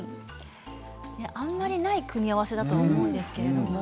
あまりない組み合わせだと思いますけども。